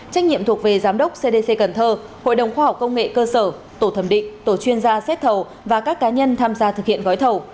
trách nhiệm thuộc về giám đốc cdc cần thơ hội đồng khoa học công nghệ cơ sở tổ thẩm định tổ chuyên gia xét thầu và các cá nhân tham gia thực hiện gói thầu